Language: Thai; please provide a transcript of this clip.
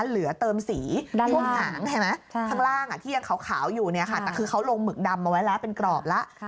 เหลือเติมสีทางล่างที่ยังขาวขาวอยู่เนี้ยค่ะแต่คือเขาลงหมึกดำมาไว้แล้วเป็นกรอบละ